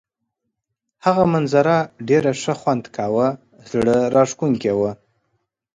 هغه منظره ډېر ښه خوند کاوه، زړه راښکونکې وه.